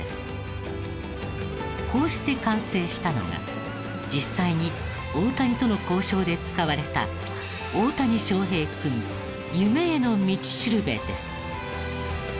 こうして完成したのが実際に大谷との交渉で使われた「大谷翔平君夢への道しるべ」です。